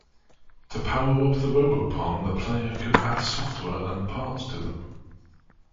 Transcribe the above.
To power up the Robopon, the player could add software and parts to them.